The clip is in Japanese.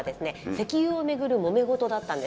石油を巡るもめ事だったんです。